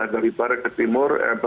dari barat ke timur